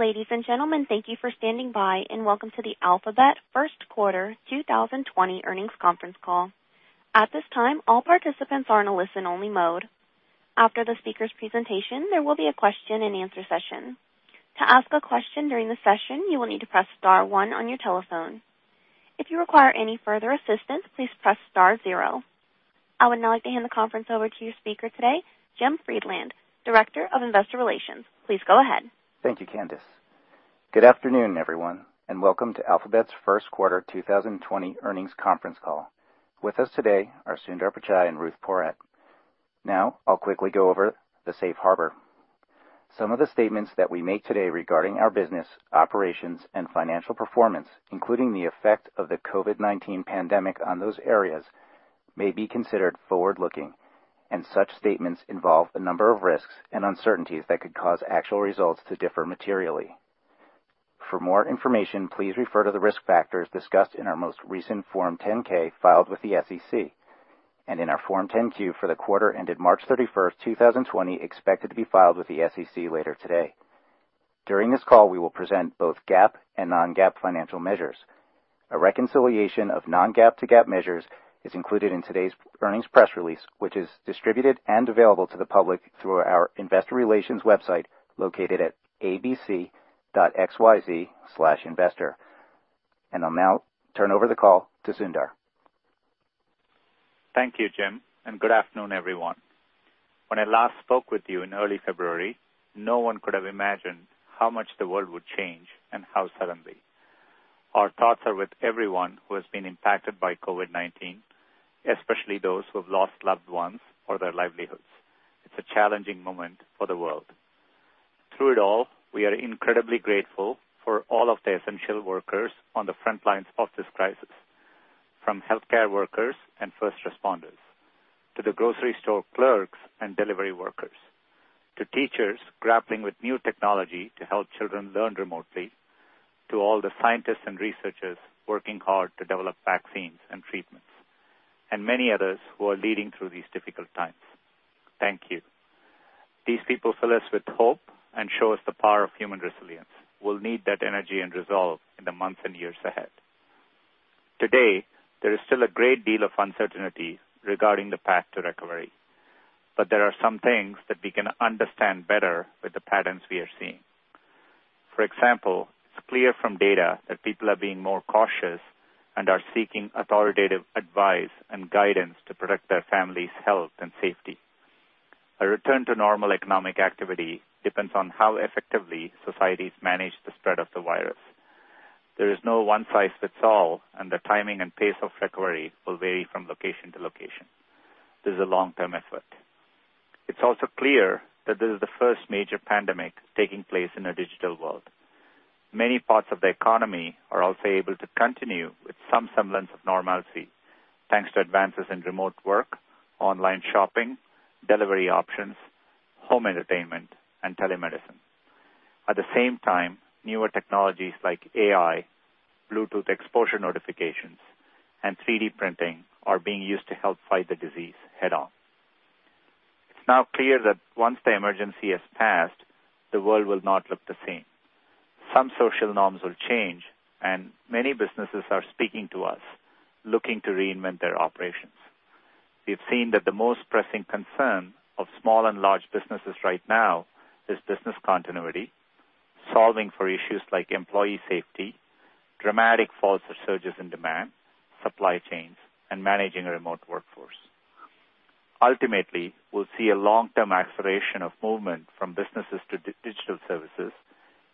Ladies and gentlemen, thank you for standing by and welcome to the Alphabet First Quarter 2020 earnings conference call. At this time, all participants are in a listen-only mode. After the speaker's presentation, there will be a question-and-answer session. To ask a question during the session, you will need to press star one on your telephone. If you require any further assistance, please press star zero. I would now like to hand the conference over to your speaker today, Jim Friedland, Director of Investor Relations. Please go ahead. Thank you, Candace. Good afternoon, everyone, and welcome to Alphabet's First Quarter 2020 earnings conference call. With us today are Sundar Pichai and Ruth Porat. Now, I'll quickly go over the Safe Harbor. Some of the statements that we make today regarding our business, operations, and financial performance, including the effect of the COVID-19 pandemic on those areas, may be considered forward-looking, and such statements involve a number of risks and uncertainties that could cause actual results to differ materially. For more information, please refer to the risk factors discussed in our most recent Form 10-K filed with the SEC and in our Form 10-Q for the quarter ended March 31st, 2020, expected to be filed with the SEC later today. During this call, we will present both GAAP and non-GAAP financial measures. A reconciliation of non-GAAP to GAAP measures is included in today's earnings press release, which is distributed and available to the public through our Investor Relations website located at abc.xyz/investor, and I'll now turn over the call to Sundar. Thank you, Jim, and good afternoon, everyone. When I last spoke with you in early February, no one could have imagined how much the world would change and how suddenly. Our thoughts are with everyone who has been impacted by COVID-19, especially those who have lost loved ones or their livelihoods. It's a challenging moment for the world. Through it all, we are incredibly grateful for all of the essential workers on the front lines of this crisis, from healthcare workers and first responders to the grocery store clerks and delivery workers, to teachers grappling with new technology to help children learn remotely, to all the scientists and researchers working hard to develop vaccines and treatments, and many others who are leading through these difficult times. Thank you. These people fill us with hope and show us the power of human resilience. We'll need that energy and resolve in the months and years ahead. Today, there is still a great deal of uncertainty regarding the path to recovery, but there are some things that we can understand better with the patterns we are seeing. For example, it's clear from data that people are being more cautious and are seeking authoritative advice and guidance to protect their family's health and safety. A return to normal economic activity depends on how effectively societies manage the spread of the virus. There is no one-size-fits-all, and the timing and pace of recovery will vary from location to location. This is a long-term effort. It's also clear that this is the first major pandemic taking place in a digital world. Many parts of the economy are also able to continue with some semblance of normalcy thanks to advances in remote work, online shopping, delivery options, home entertainment, and telemedicine. At the same time, newer technologies like AI, Bluetooth exposure notifications, and 3D printing are being used to help fight the disease head-on. It's now clear that once the emergency has passed, the world will not look the same. Some social norms will change, and many businesses are speaking to us, looking to reinvent their operations. We've seen that the most pressing concern of small and large businesses right now is business continuity, solving for issues like employee safety, dramatic falls or surges in demand, supply chains, and managing a remote workforce. Ultimately, we'll see a long-term acceleration of movement from businesses to digital services,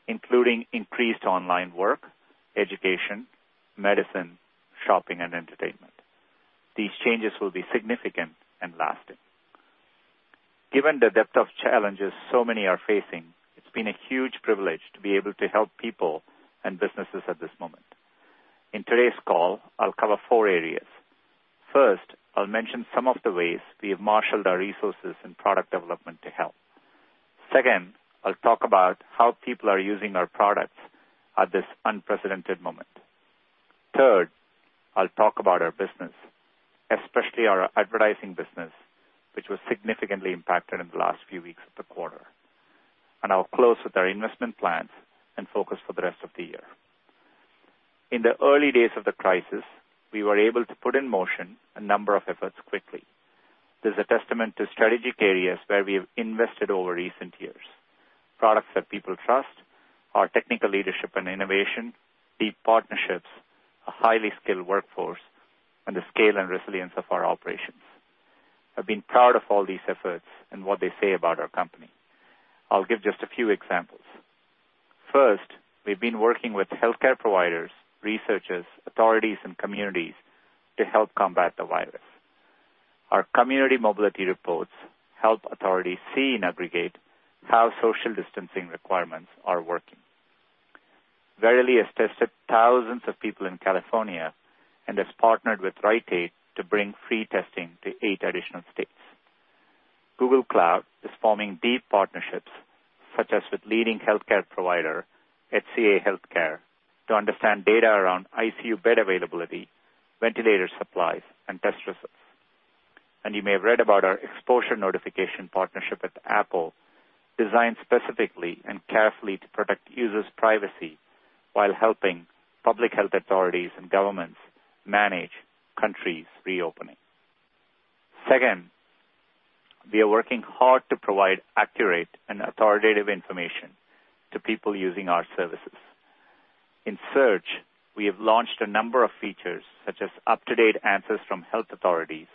including increased online work, education, medicine, shopping, and entertainment. These changes will be significant and lasting. Given the depth of challenges so many are facing, it's been a huge privilege to be able to help people and businesses at this moment. In today's call, I'll cover four areas. First, I'll mention some of the ways we have marshaled our resources and product development to help. Second, I'll talk about how people are using our products at this unprecedented moment. Third, I'll talk about our business, especially our advertising business, which was significantly impacted in the last few weeks of the quarter, and I'll close with our investment plans and focus for the rest of the year. In the early days of the crisis, we were able to put in motion a number of efforts quickly. This is a testament to strategic areas where we have invested over recent years: products that people trust, our technical leadership and innovation, deep partnerships, a highly skilled workforce, and the scale and resilience of our operations. I've been proud of all these efforts and what they say about our company. I'll give just a few examples. First, we've been working with healthcare providers, researchers, authorities, and communities to help combat the virus. Our community mobility reports help authorities see and aggregate how social distancing requirements are working. Verily has tested thousands of people in California and has partnered with Rite Aid to bring free testing to eight additional states. Google Cloud is forming deep partnerships, such as with leading healthcare provider, HCA Healthcare, to understand data around ICU bed availability, ventilator supplies, and test results. You may have read about our exposure notification partnership with Apple, designed specifically and carefully to protect users' privacy while helping public health authorities and governments manage countries' reopening. Second, we are working hard to provide accurate and authoritative information to people using our services. In Search, we have launched a number of features, such as up-to-date answers from health authorities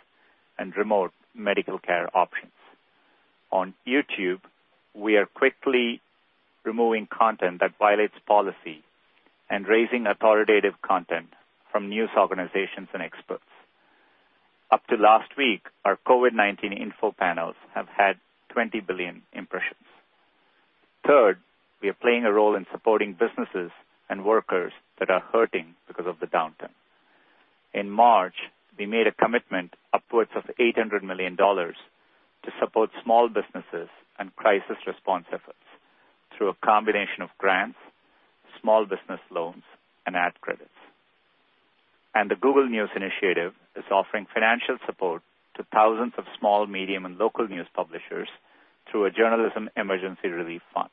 and remote medical care options. On YouTube, we are quickly removing content that violates policy and raising authoritative content from news organizations and experts. Up to last week, our COVID-19 info panels have had 20 billion impressions. Third, we are playing a role in supporting businesses and workers that are hurting because of the downturn. In March, we made a commitment upwards of $800 million to support small businesses and crisis response efforts through a combination of grants, small business loans, and ad credits. And the Google News Initiative is offering financial support to thousands of small, medium, and local news publishers through a journalism emergency relief fund.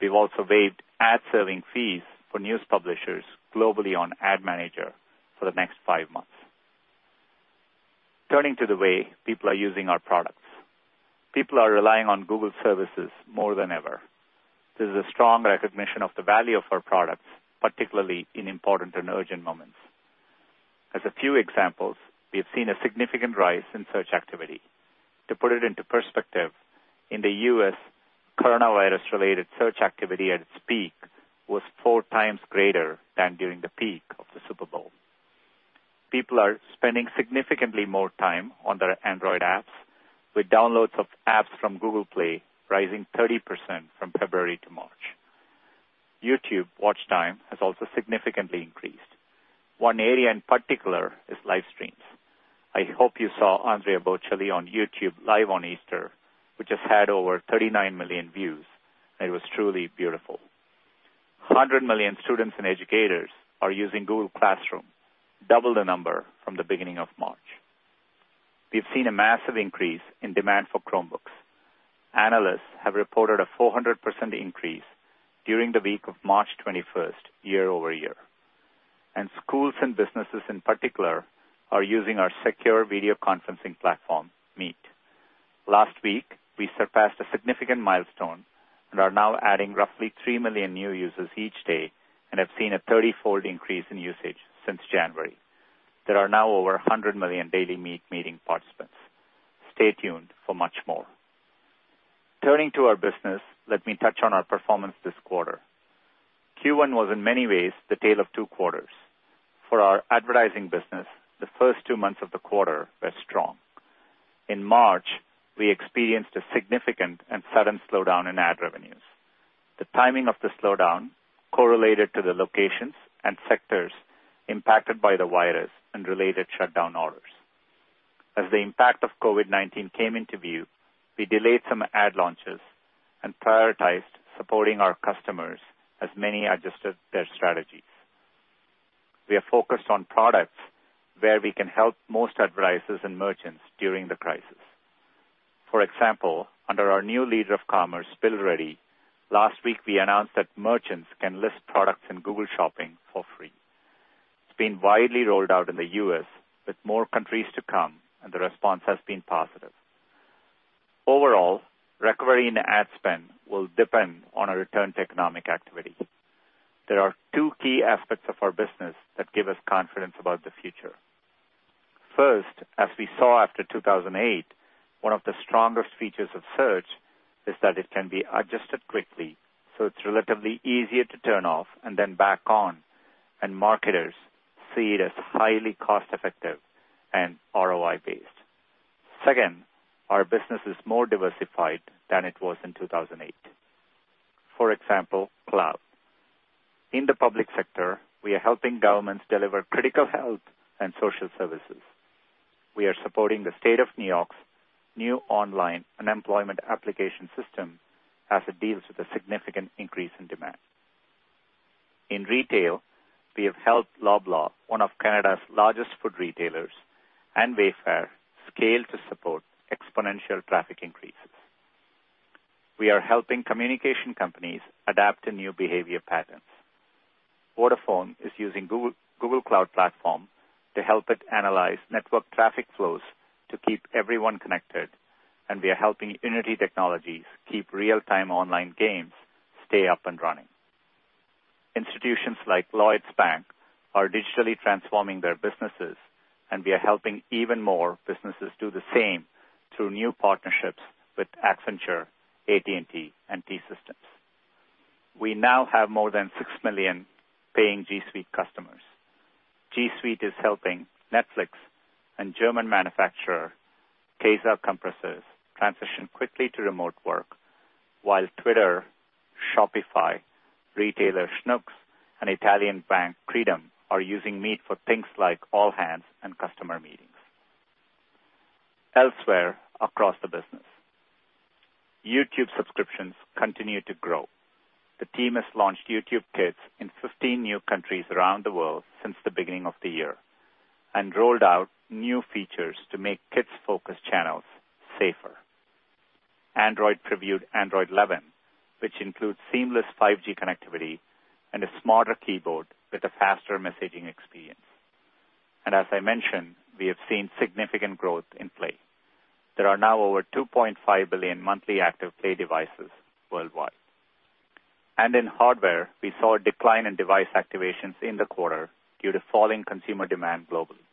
We've also waived ad-serving fees for news publishers globally on Ad Manager for the next five months. Turning to the way people are using our products, people are relying on Google Services more than ever. There's a strong recognition of the value of our products, particularly in important and urgent moments. As a few examples, we have seen a significant rise in search activity. To put it into perspective, in the U.S., coronavirus-related search activity at its peak was four times greater than during the peak of the Super Bowl. People are spending significantly more time on their Android apps, with downloads of apps from Google Play rising 30% from February-March. YouTube watch time has also significantly increased. One area in particular is live streams. I hope you saw Andrea Bocelli on YouTube live on Easter, which has had over 39 million views, and it was truly beautiful. 100 million students and educators are using Google Classroom, double the number from the beginning of March. We've seen a massive increase in demand for Chromebooks. Analysts have reported a 400% increase during the week of March 21st, year-over-year, and schools and businesses in particular are using our secure video conferencing platform, Meet. Last week, we surpassed a significant milestone and are now adding roughly 3 million new users each day and have seen a 30-fold increase in usage since January. There are now over 100 million daily Meet meeting participants. Stay tuned for much more. Turning to our business, let me touch on our performance this quarter. Q1 was, in many ways, the tale of two quarters. For our advertising business, the first two months of the quarter were strong. In March, we experienced a significant and sudden slowdown in ad revenues. The timing of the slowdown correlated to the locations and sectors impacted by the virus and related shutdown orders. As the impact of COVID-19 came into view, we delayed some ad launches and prioritized supporting our customers as many adjusted their strategies. We are focused on products where we can help most advertisers and merchants during the crisis. For example, under our new Leader of Commerce, Bill Ready, last week we announced that merchants can list products in Google Shopping for free. It's been widely rolled out in the U.S., with more countries to come, and the response has been positive. Overall, recovery in ad spend will depend on our return to economic activity. There are two key aspects of our business that give us confidence about the future. First, as we saw after 2008, one of the strongest features of Search is that it can be adjusted quickly, so it's relatively easier to turn off and then back on, and marketers see it as highly cost-effective and ROI-based. Second, our business is more diversified than it was in 2008. For example, Cloud. In the public sector, we are helping governments deliver critical health and social services. We are supporting the state of New York's new online unemployment application system as it deals with a significant increase in demand. In retail, we have helped Loblaw, one of Canada's largest food retailers, and Wayfair scale to support exponential traffic increases. We are helping communication companies adapt to new behavior patterns. Vodafone is using Google Cloud Platform to help it analyze network traffic flows to keep everyone connected, and we are helping Unity Technologies keep real-time online games stay up and running. Institutions like Lloyds Bank are digitally transforming their businesses, and we are helping even more businesses do the same through new partnerships with Accenture, AT&T, and T-Systems. We now have more than 6 million paying G Suite customers. G Suite is helping Netflix and German manufacturer Kaeser Compressors transition quickly to remote work, while Twitter, Shopify, retailer Schnucks, and Italian bank, Credem, are using Meet for things like all hands and customer meetings. Elsewhere across the business, YouTube subscriptions continue to grow. The team has launched YouTube Kids in 15 new countries around the world since the beginning of the year and rolled out new features to make kids-focused channels safer. Android previewed Android 11, which includes seamless 5G connectivity and a smarter keyboard with a faster messaging experience, and as I mentioned, we have seen significant growth in Play. There are now over 2.5 billion monthly active Play devices worldwide, and in hardware, we saw a decline in device activations in the quarter due to falling consumer demand globally,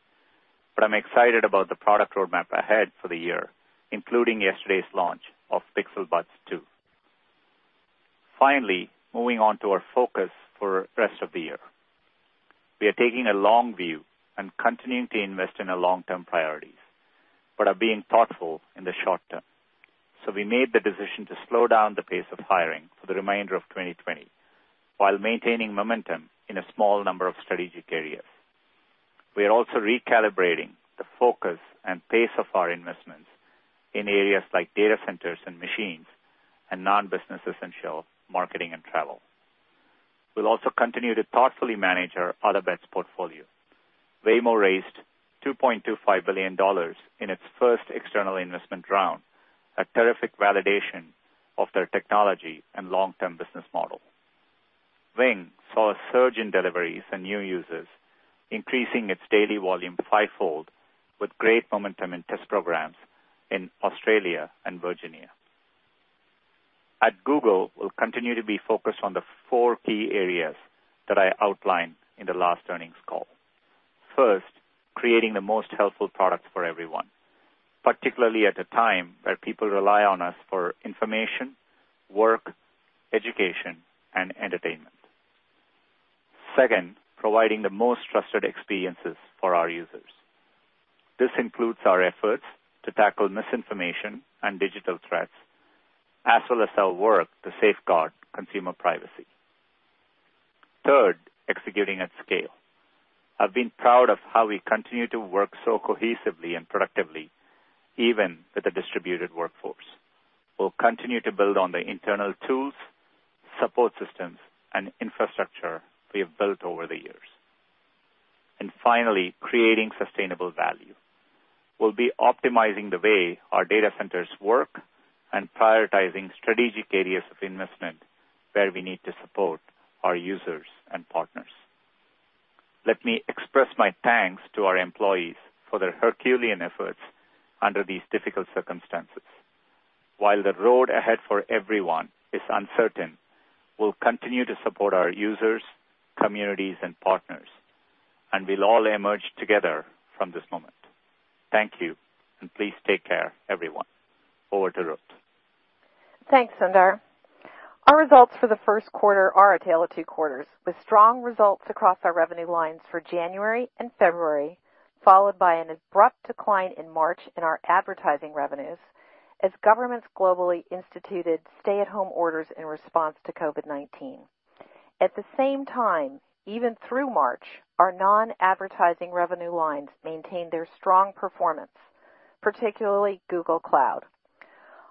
but I'm excited about the product roadmap ahead for the year, including yesterday's launch of Pixel Buds 2. Finally, moving on to our focus for the rest of the year, we are taking a long view and continuing to invest in our long-term priorities but are being thoughtful in the short term, so we made the decision to slow down the pace of hiring for the remainder of 2020 while maintaining momentum in a small number of strategic areas. We are also recalibrating the focus and pace of our investments in areas like data centers and machines and non-business essential marketing and travel. We'll also continue to thoughtfully manage our Other Bets portfolio. Waymo raised $2.25 billion in its first external investment round, a terrific validation of their technology and long-term business model. Wing saw a surge in deliveries and new users, increasing its daily volume fivefold with great momentum in test programs in Australia and Virginia. At Google, we'll continue to be focused on the four key areas that I outlined in the last earnings call. First, creating the most helpful products for everyone, particularly at a time where people rely on us for information, work, education, and entertainment. Second, providing the most trusted experiences for our users. This includes our efforts to tackle misinformation and digital threats, as well as our work to safeguard consumer privacy. Third, executing at scale. I've been proud of how we continue to work so cohesively and productively, even with a distributed workforce. We'll continue to build on the internal tools, support systems, and infrastructure we have built over the years. And finally, creating sustainable value. We'll be optimizing the way our data centers work and prioritizing strategic areas of investment where we need to support our users and partners. Let me express my thanks to our employees for their Herculean efforts under these difficult circumstances. While the road ahead for everyone is uncertain, we'll continue to support our users, communities, and partners, and we'll all emerge together from this moment. Thank you, and please take care, everyone. Over to Ruth. Thanks, Sundar. Our results for the first quarter are a tale of two quarters, with strong results across our revenue lines for January and February, followed by an abrupt decline in March in our advertising revenues as governments globally instituted stay-at-home orders in response to COVID-19. At the same time, even through March, our non-advertising revenue lines maintained their strong performance, particularly Google Cloud.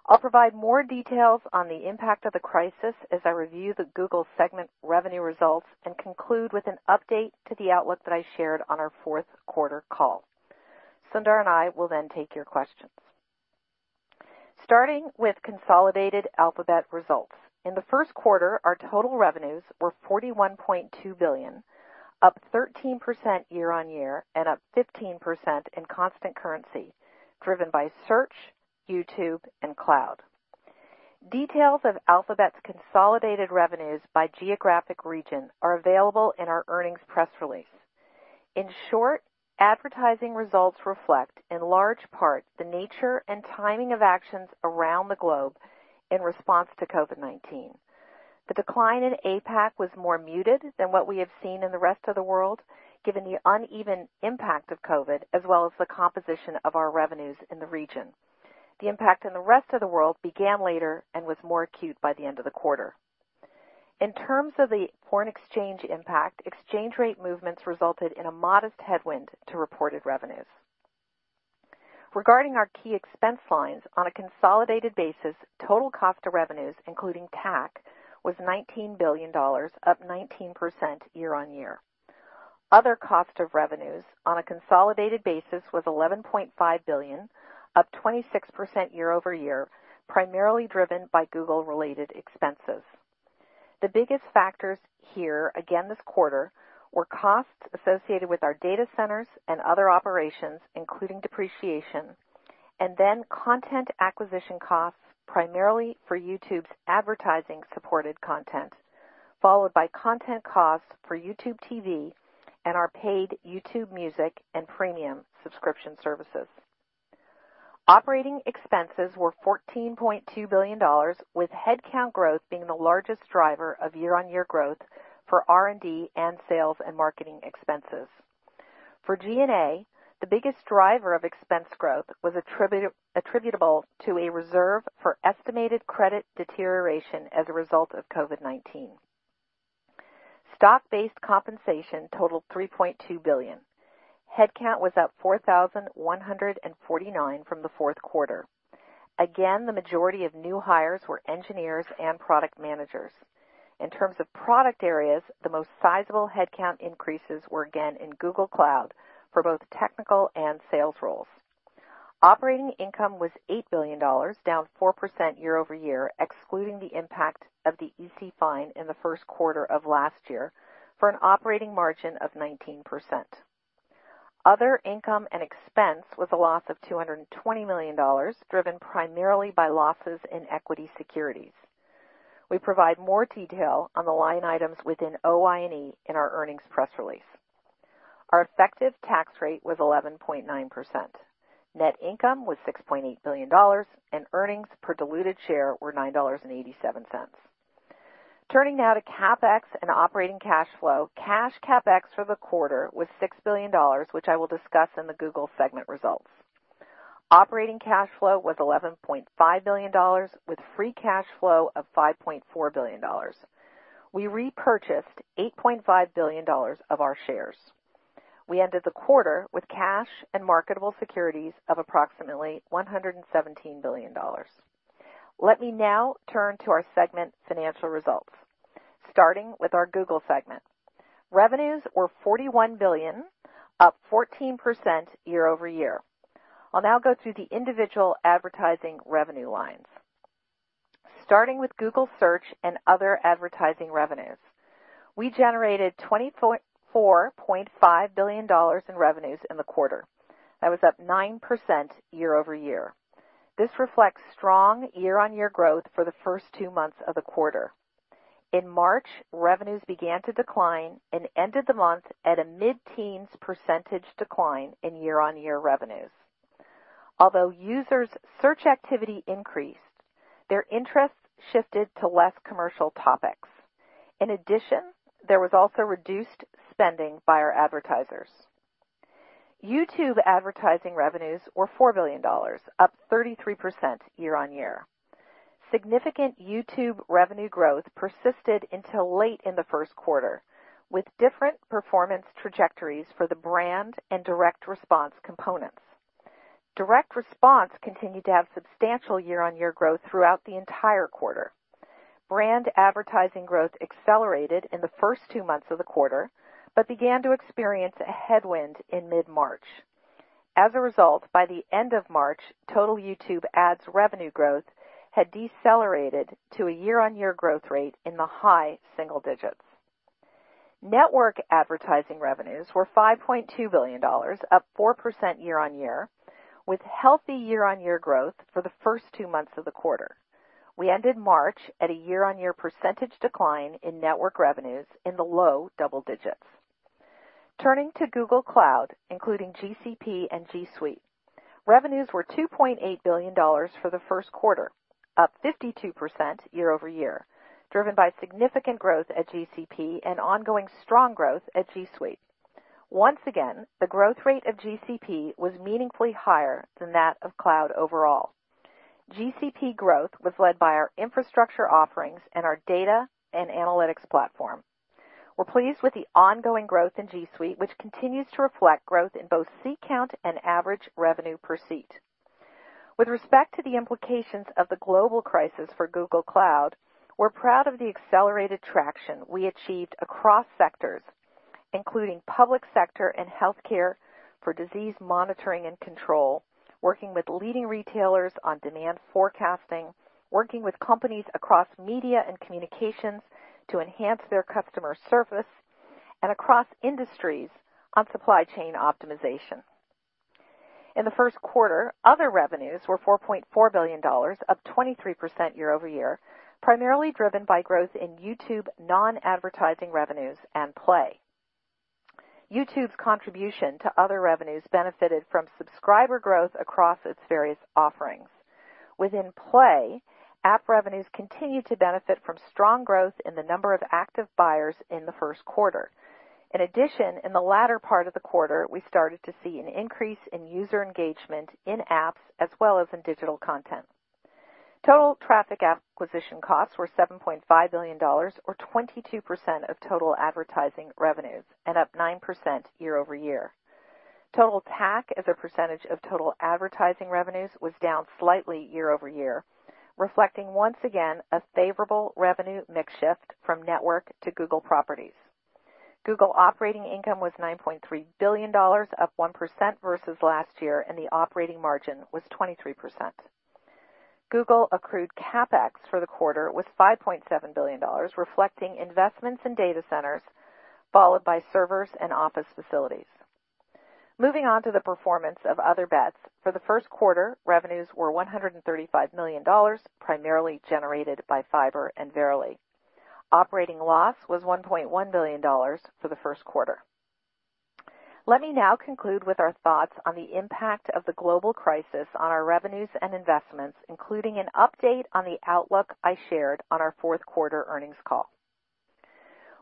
I'll provide more details on the impact of the crisis as I review the Google segment revenue results and conclude with an update to the outlook that I shared on our fourth quarter call. Sundar and I will then take your questions. Starting with consolidated Alphabet results. In the first quarter, our total revenues were $41.2 billion, up 13% year-on-year and up 15% in constant currency, driven by Search, YouTube, and Cloud. Details of Alphabet's consolidated revenues by geographic region are available in our earnings press release. In short, advertising results reflect, in large part, the nature and timing of actions around the globe in response to COVID-19. The decline in APAC was more muted than what we have seen in the rest of the world, given the uneven impact of COVID, as well as the composition of our revenues in the region. The impact in the rest of the world began later and was more acute by the end of the quarter. In terms of the foreign exchange impact, exchange rate movements resulted in a modest headwind to reported revenues. Regarding our key expense lines, on a consolidated basis, total cost of revenues, including TAC, was $19 billion, up 19% year-on-year. Other cost of revenues, on a consolidated basis, was $11.5 billion, up 26% year-over-year, primarily driven by Google-related expenses. The biggest factors here, again this quarter, were costs associated with our data centers and other operations, including depreciation, and then content acquisition costs, primarily for YouTube's advertising-supported content, followed by content costs for YouTube TV and our paid YouTube Music and Premium subscription services. Operating expenses were $14.2 billion, with headcount growth being the largest driver of year-on-year growth for R&D and sales and marketing expenses. For G&A, the biggest driver of expense growth was attributable to a reserve for estimated credit deterioration as a result of COVID-19. Stock-based compensation totaled $3.2 billion. Headcount was up 4,149 from the fourth quarter. Again, the majority of new hires were engineers and product managers. In terms of product areas, the most sizable headcount increases were again in Google Cloud for both technical and sales roles. Operating income was $8 billion, down 4% year-over-year, excluding the impact of the EC fine in the first quarter of last year, for an operating margin of 19%. Other income and expense was a loss of $220 million, driven primarily by losses in equity securities. We provide more detail on the line items within OI&E in our earnings press release. Our effective tax rate was 11.9%. Net income was $6.8 billion, and earnings per diluted share were $9.87. Turning now to CapEx and operating cash flow, cash CapEx for the quarter was $6 billion, which I will discuss in the Google segment results. Operating cash flow was $11.5 billion, with free cash flow of $5.4 billion. We repurchased $8.5 billion of our shares. We ended the quarter with cash and marketable securities of approximately $117 billion. Let me now turn to our segment financial results, starting with our Google segment. Revenues were $41 billion, up 14% year-over-year. I'll now go through the individual advertising revenue lines. Starting with Google Search and Other advertising revenues, we generated $24.5 billion in revenues in the quarter. That was up 9% year-over-year. This reflects strong year-on-year growth for the first two months of the quarter. In March, revenues began to decline and ended the month at a mid-teens percentage decline in year-on-year revenues. Although users' search activity increased, their interest shifted to less commercial topics. In addition, there was also reduced spending by our advertisers. YouTube Advertising revenues were $4 billion, up 33% year-on-year. Significant YouTube revenue growth persisted until late in the first quarter, with different performance trajectories for the brand and direct response components. Direct response continued to have substantial year-on-year growth throughout the entire quarter. Brand advertising growth accelerated in the first two months of the quarter but began to experience a headwind in mid-March. As a result, by the end of March, total YouTube Ads revenue growth had decelerated to a year-on-year growth rate in the high single digits. Network Advertising revenues were $5.2 billion, up 4% year-on-year, with healthy year-on-year growth for the first two months of the quarter. We ended March at a year-on-year percentage decline in network revenues in the low double digits. Turning to Google Cloud, including GCP and G Suite, revenues were $2.8 billion for the first quarter, up 52% year-over-year, driven by significant growth at GCP and ongoing strong growth at G Suite. Once again, the growth rate of GCP was meaningfully higher than that of Cloud overall. GCP growth was led by our infrastructure offerings and our data and analytics platform. We're pleased with the ongoing growth in G Suite, which continues to reflect growth in both seat count and average revenue per seat. With respect to the implications of the global crisis for Google Cloud, we're proud of the accelerated traction we achieved across sectors, including public sector and healthcare for disease monitoring and control, working with leading retailers on demand forecasting, working with companies across media and communications to enhance their customer service, and across industries on supply chain optimization. In the first quarter, other revenues were $4.4 billion, up 23% year-over-year, primarily driven by growth in YouTube non-advertising revenues and Play. YouTube's contribution to other revenues benefited from subscriber growth across its various offerings. Within Play, app revenues continued to benefit from strong growth in the number of active buyers in the first quarter. In addition, in the latter part of the quarter, we started to see an increase in user engagement in apps as well as in digital content. Total traffic acquisition costs were $7.5 billion, or 22% of total advertising revenues, and up 9% year-over-year. Total TAC, as a percentage of total advertising revenues, was down slightly year-over-year, reflecting once again a favorable revenue mix shift from Network to Google properties. Google operating income was $9.3 billion, up 1% versus last year, and the operating margin was 23%. Google accrued CapEx for the quarter with $5.7 billion, reflecting investments in data centers, followed by servers and office facilities. Moving on to the performance of Other Bets, for the first quarter, revenues were $135 million, primarily generated by Fiber and Verily. Operating loss was $1.1 billion for the first quarter. Let me now conclude with our thoughts on the impact of the global crisis on our revenues and investments, including an update on the outlook I shared on our fourth quarter earnings call.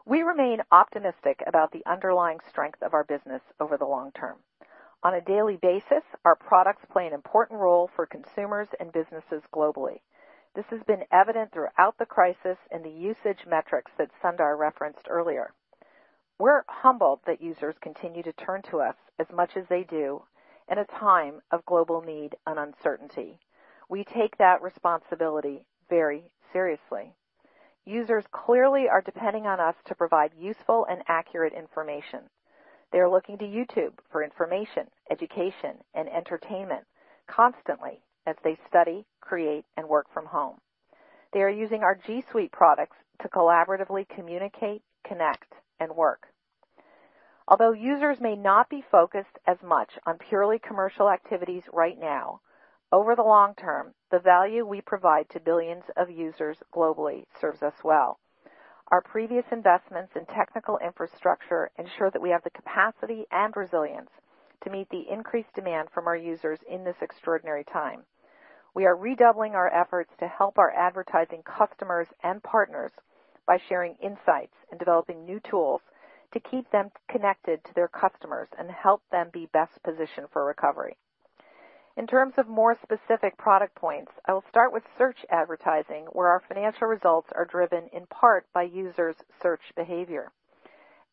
We remain optimistic about the underlying strength of our business over the long term. On a daily basis, our products play an important role for consumers and businesses globally. This has been evident throughout the crisis in the usage metrics that Sundar referenced earlier. We're humbled that users continue to turn to us as much as they do in a time of global need and uncertainty. We take that responsibility very seriously. Users clearly are depending on us to provide useful and accurate information. They are looking to YouTube for information, education, and entertainment constantly as they study, create, and work from home. They are using our G Suite products to collaboratively communicate, connect, and work. Although users may not be focused as much on purely commercial activities right now, over the long term, the value we provide to billions of users globally serves us well. Our previous investments in technical infrastructure ensure that we have the capacity and resilience to meet the increased demand from our users in this extraordinary time. We are redoubling our efforts to help our advertising customers and partners by sharing insights and developing new tools to keep them connected to their customers and help them be best positioned for recovery. In terms of more specific product points, I will start with Search advertising, where our financial results are driven in part by users' search behavior.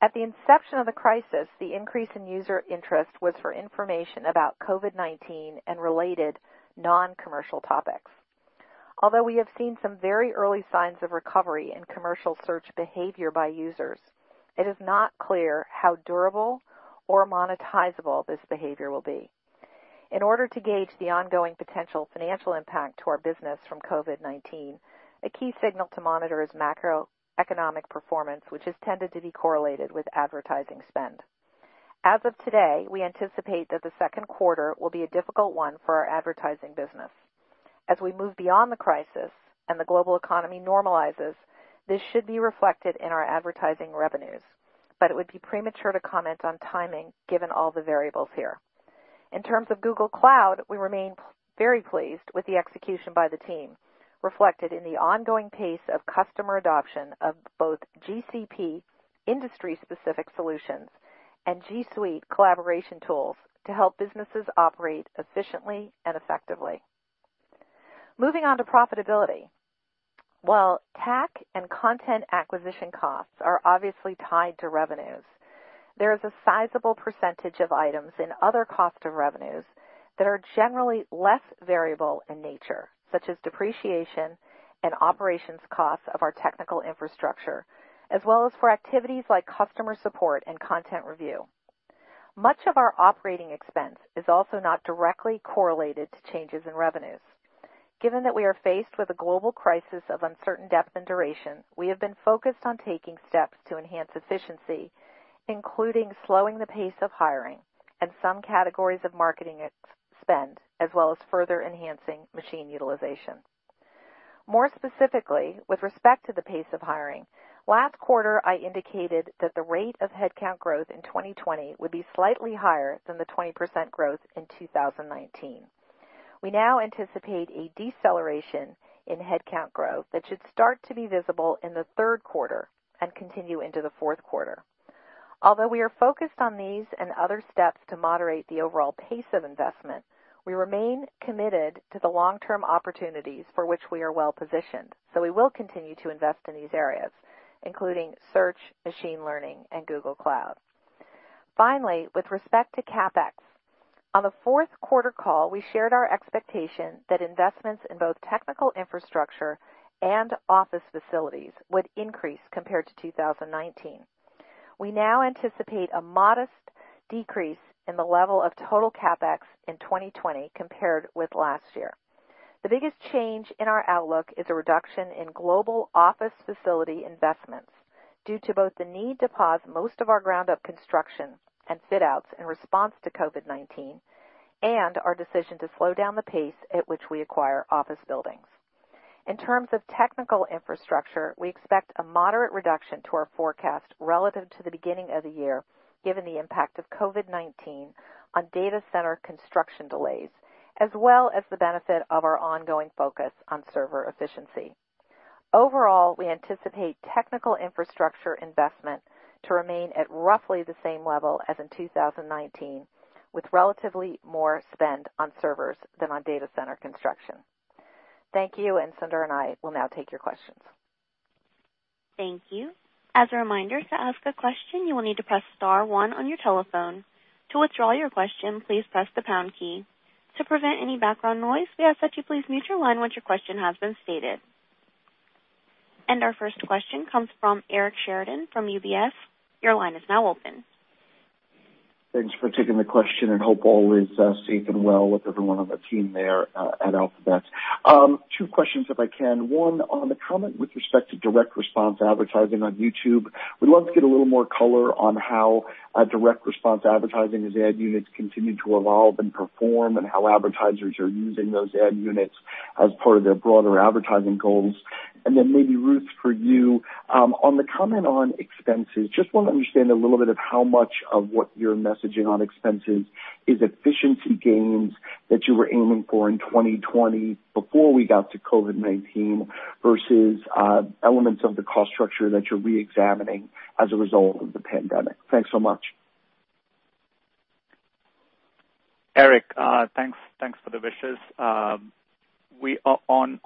At the inception of the crisis, the increase in user interest was for information about COVID-19 and related non-commercial topics. Although we have seen some very early signs of recovery in commercial search behavior by users, it is not clear how durable or monetizable this behavior will be. In order to gauge the ongoing potential financial impact to our business from COVID-19, a key signal to monitor is macroeconomic performance, which has tended to be correlated with advertising spend. As of today, we anticipate that the second quarter will be a difficult one for our Advertising business. As we move beyond the crisis and the global economy normalizes, this should be reflected in our advertising revenues, but it would be premature to comment on timing given all the variables here. In terms of Google Cloud, we remain very pleased with the execution by the team, reflected in the ongoing pace of customer adoption of both GCP industry-specific solutions and G Suite collaboration tools to help businesses operate efficiently and effectively. Moving on to profitability. While TAC and content acquisition costs are obviously tied to revenues, there is a sizable percentage of items in other cost of revenues that are generally less variable in nature, such as depreciation and operations costs of our technical infrastructure, as well as for activities like customer support and content review. Much of our operating expense is also not directly correlated to changes in revenues. Given that we are faced with a global crisis of uncertain depth and duration, we have been focused on taking steps to enhance efficiency, including slowing the pace of hiring and some categories of marketing spend, as well as further enhancing machine utilization. More specifically, with respect to the pace of hiring, last quarter I indicated that the rate of headcount growth in 2020 would be slightly higher than the 20% growth in 2019. We now anticipate a deceleration in headcount growth that should start to be visible in the third quarter and continue into the fourth quarter. Although we are focused on these and other steps to moderate the overall pace of investment, we remain committed to the long-term opportunities for which we are well positioned, so we will continue to invest in these areas, including Search, machine learning, and Google Cloud. Finally, with respect to CapEx, on the fourth quarter call, we shared our expectation that investments in both technical infrastructure and office facilities would increase compared to 2019. We now anticipate a modest decrease in the level of total CapEx in 2020 compared with last year. The biggest change in our outlook is a reduction in global office facility investments due to both the need to pause most of our ground-up construction and fit-outs in response to COVID-19 and our decision to slow down the pace at which we acquire office buildings. In terms of technical infrastructure, we expect a moderate reduction to our forecast relative to the beginning of the year, given the impact of COVID-19 on data center construction delays, as well as the benefit of our ongoing focus on server efficiency. Overall, we anticipate technical infrastructure investment to remain at roughly the same level as in 2019, with relatively more spend on servers than on data center construction. Thank you, and Sundar and I will now take your questions. Thank you. As a reminder, to ask a question, you will need to press star one on your telephone. To withdraw your question, please press the pound key. To prevent any background noise, we ask that you please mute your line once your question has been stated. And our first question comes from Eric Sheridan from UBS. Your line is now open. Thanks for taking the question. I hope all is safe and well with everyone on the team there at Alphabet. Two questions, if I can. One on the comment with respect direct response advertising on YouTube. We'd love to get a little more color on direct response advertising as ad units continue to evolve and perform and how advertisers are using those ad units as part of their broader advertising goals. And then maybe, Ruth, for you. On the comment on expenses, just want to understand a little bit of how much of what you're messaging on expenses is efficiency gains that you were aiming for in 2020 before we got to COVID-19 versus elements of the cost structure that you're reexamining as a result of the pandemic. Thanks so much. Eric, thanks for the wishes. On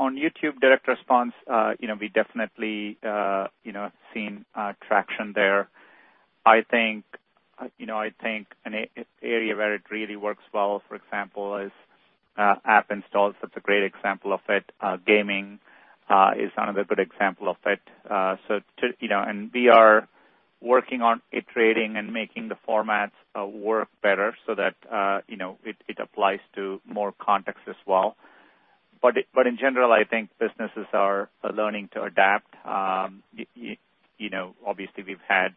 direct response, we definitely have seen traction there. I think an area where it really works well, for example, is app installs. That's a great example of it. Gaming is another good example of it. And we are working on iterating and making the formats work better so that it applies to more context as well. But in general, I think businesses are learning to adapt. Obviously, we've had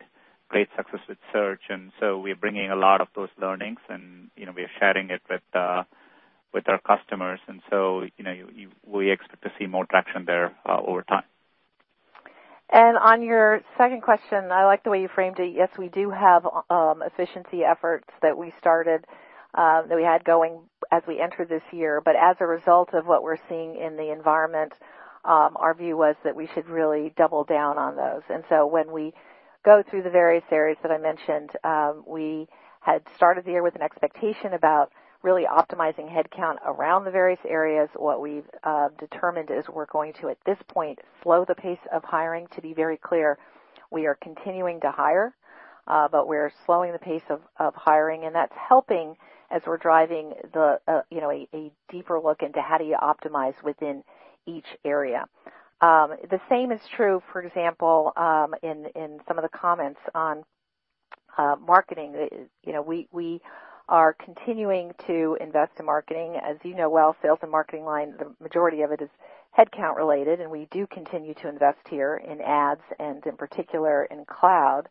great success with Search, and so we're bringing a lot of those learnings, and we're sharing it with our customers. And so we expect to see more traction there over time. On your second question, I like the way you framed it. Yes, we do have efficiency efforts that we started that we had going as we entered this year. As a result of what we're seeing in the environment, our view was that we should really double down on those. When we go through the various areas that I mentioned, we had started the year with an expectation about really optimizing headcount around the various areas. What we've determined is we're going to, at this point, slow the pace of hiring. To be very clear, we are continuing to hire, but we're slowing the pace of hiring, and that's helping as we're driving a deeper look into how do you optimize within each area. The same is true, for example, in some of the comments on marketing. We are continuing to invest in marketing. As you know well, sales and marketing line, the majority of it is headcount related, and we do continue to invest here in Ads and, in particular, in Cloud.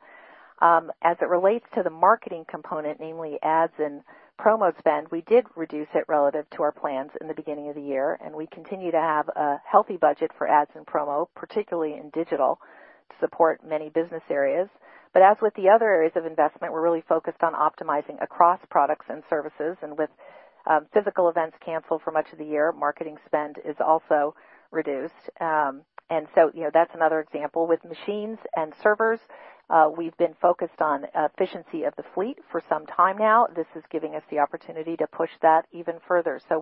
As it relates to the marketing component, namely ads and promo spend, we did reduce it relative to our plans in the beginning of the year, and we continue to have a healthy budget for ads and promo, particularly in digital, to support many business areas. But as with the other areas of investment, we're really focused on optimizing across products and services, and with physical events canceled for much of the year, marketing spend is also reduced, and so that's another example. With machines and servers, we've been focused on efficiency of the fleet for some time now. This is giving us the opportunity to push that even further. So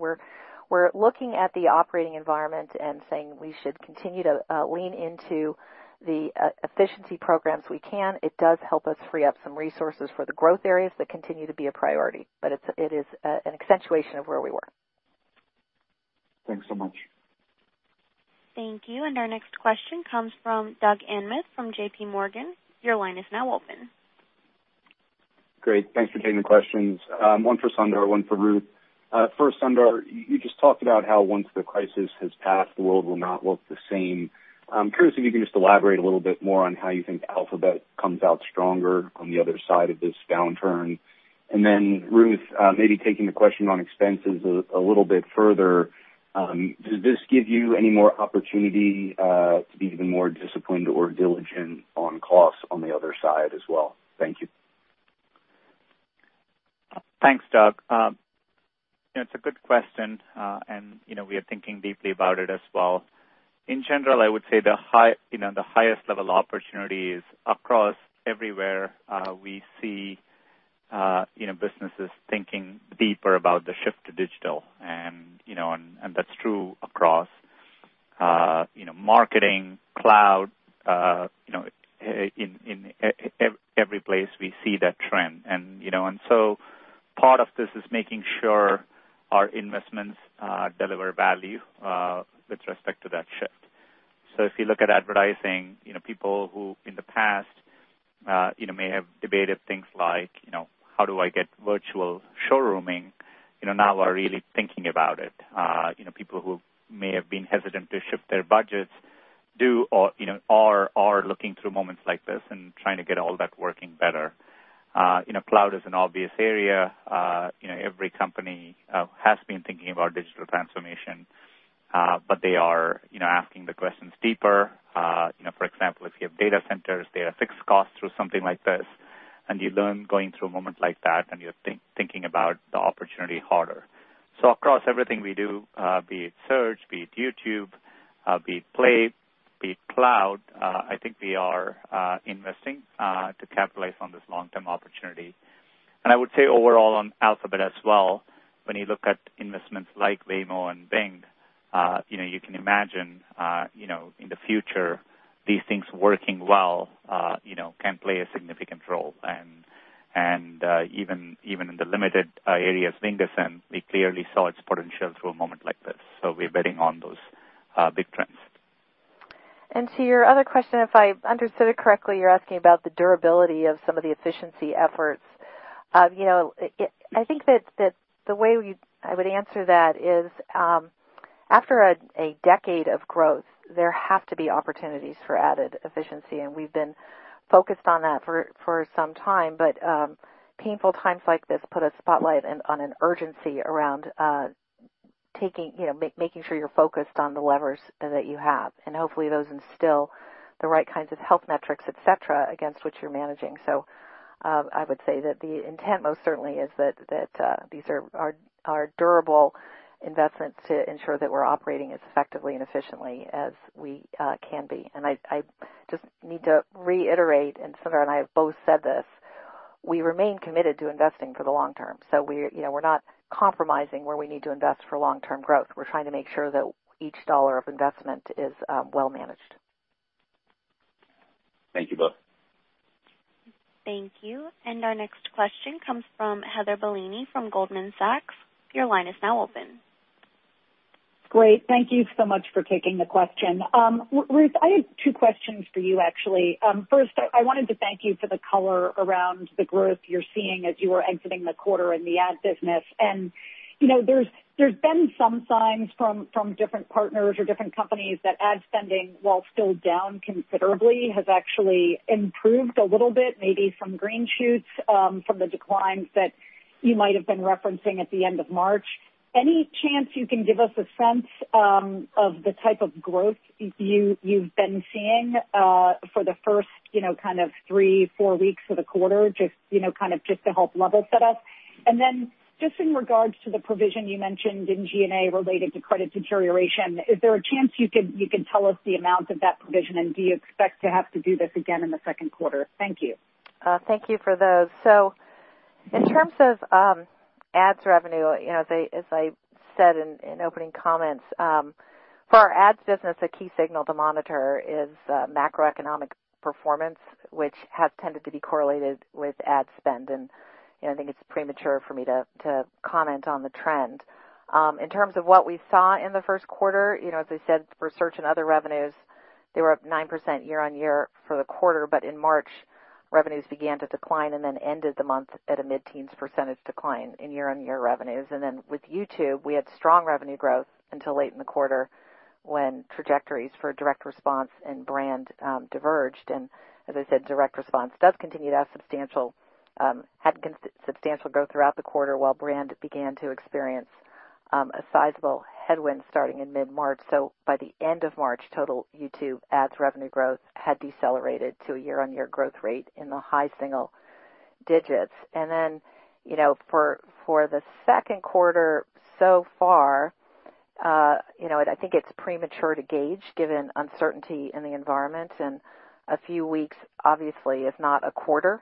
we're looking at the operating environment and saying we should continue to lean into the efficiency programs we can. It does help us free up some resources for the growth areas that continue to be a priority, but it is an accentuation of where we were. Thanks so much. Thank you. And our next question comes from Doug Anmuth from JPMorgan. Your line is now open. Great. Thanks for taking the questions. One for Sundar, one for Ruth. First, Sundar, you just talked about how once the crisis has passed, the world will not look the same. I'm curious if you can just elaborate a little bit more on how you think Alphabet comes out stronger on the other side of this downturn. And then, Ruth, maybe taking the question on expenses a little bit further, does this give you any more opportunity to be even more disciplined or diligent on costs on the other side as well? Thank you. Thanks, Doug. It's a good question, and we are thinking deeply about it as well. In general, I would say the highest level opportunities across everywhere, we see businesses thinking deeper about the shift to digital. And that's true across marketing, Cloud. In every place, we see that trend. And so part of this is making sure our investments deliver value with respect to that shift. So if you look at advertising, people who in the past may have debated things like, "How do I get virtual showrooming?" now are really thinking about it. People who may have been hesitant to shift their budgets are looking through moments like this and trying to get all that working better. Cloud is an obvious area. Every company has been thinking about digital transformation, but they are asking the questions deeper. For example, if you have data centers, they have fixed costs through something like this, and you learn going through a moment like that and you're thinking about the opportunity harder. So across everything we do, be it Search, be it YouTube, be it Play, be it Cloud, I think we are investing to capitalize on this long-term opportunity. And I would say overall on Alphabet as well, when you look at investments like Waymo and Wing, you can imagine in the future these things working well can play a significant role. And even in the limited areas of in-person, we clearly saw its potential through a moment like this. So we're betting on those big trends. And to your other question, if I understood it correctly, you're asking about the durability of some of the efficiency efforts. I think that the way I would answer that is after a decade of growth, there have to be opportunities for added efficiency, and we've been focused on that for some time. But painful times like this put a spotlight on an urgency around making sure you're focused on the levers that you have, and hopefully those instill the right kinds of health metrics, etc., against what you're managing. So I would say that the intent most certainly is that these are durable investments to ensure that we're operating as effectively and efficiently as we can be. And I just need to reiterate, and Sundar and I have both said this, we remain committed to investing for the long term. So we're not compromising where we need to invest for long-term growth. We're trying to make sure that each dollar of investment is well managed. Thank you both. Thank you. And our next question comes from Heather Bellini from Goldman Sachs. Your line is now open. Great. Thank you so much for taking the question. Ruth, I have two questions for you, actually. First, I wanted to thank you for the color around the growth you're seeing as you are exiting the quarter in the ad business, and there's been some signs from different partners or different companies that ad spending, while still down considerably, has actually improved a little bit, maybe some green shoots from the declines that you might have been referencing at the end of March. Any chance you can give us a sense of the type of growth you've been seeing for the first kind of three, four weeks of the quarter, just kind of just to help level set up? Just in regards to the provision you mentioned in G&A related to credit deterioration, is there a chance you can tell us the amount of that provision, and do you expect to have to do this again in the second quarter? Thank you. Thank you for those. So in terms of Ads revenue, as I said in opening comments, for our Ads business, a key signal to monitor is macroeconomic performance, which has tended to be correlated with ad spend. And I think it's premature for me to comment on the trend. In terms of what we saw in the first quarter, as I said, for Search and Other revenues, they were up 9% year-on-year for the quarter, but in March, revenues began to decline and then ended the month at a mid-teens percentage decline in year-on-year revenues. And then with YouTube, we had strong revenue growth until late in the quarter when trajectories direct response and brand diverged. And as I direct response does continue to have substantial growth throughout the quarter while brand began to experience a sizable headwind starting in mid-March. So by the end of March, total YouTube Ads revenue growth had decelerated to a year-on-year growth rate in the high single digits. And then for the second quarter so far, I think it's premature to gauge given uncertainty in the environment. And a few weeks, obviously, if not a quarter.